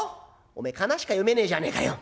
「おめえ仮名しか読めねえじゃねえかよ。